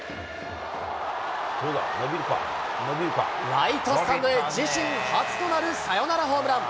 ライトスタンドへ自身初となるサヨナラホームラン。